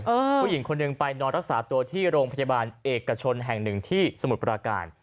ผู้หญิงคนหนึ่งไปนอนรักษาตัวที่โรงพยาบาลเอกชนแห่งหนึ่งที่สมุทรปราการ